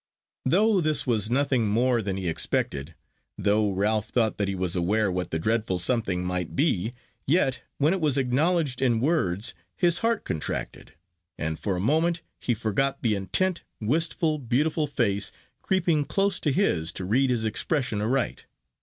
Though this was nothing more than he expected, though Ralph thought that he was aware what the dreadful something might be, yet, when it was acknowledged in words, his heart contracted, and for a moment he forgot the intent, wistful, beautiful face, creeping close to his to read his expression aright.